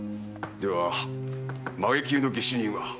では髷切りの下手人は。